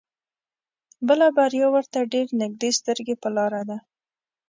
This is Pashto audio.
بله بريا ورته ډېر نيږدې سترګې په لار ده.